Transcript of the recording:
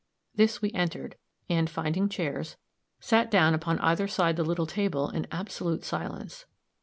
This we entered, and, finding chairs, sat down upon either side the little table in absolute silence.